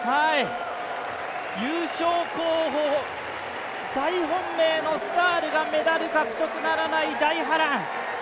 優勝候補大本命のスタールがメダル獲得ならない大波乱。